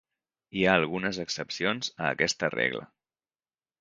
Hi ha algunes excepcions a aquesta regla.